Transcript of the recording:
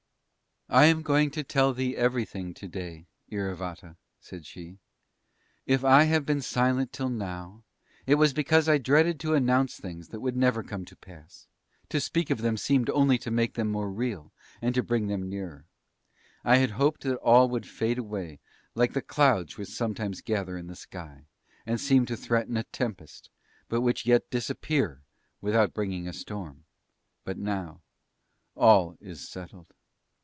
"I am going to tell thee everything to day, Iravata," said she. "If I have been silent till now it was because I dreaded to announce things that might never come to pass; to speak of them seemed only to make them more real, and to bring them nearer. I had hoped that all would fade away, like the clouds which sometimes gather in the sky, and seem to threaten a tempest, but which yet disappear without bringing a storm. But now all is settled."